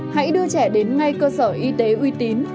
hãy đưa trẻ đến ngay cơ sở y tế uy tín